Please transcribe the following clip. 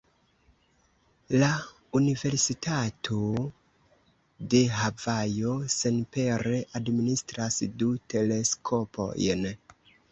La Universitato de Havajo senpere administras du teleskopojn.